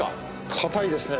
硬いですね。